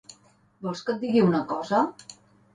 Vols que et digui una cosa?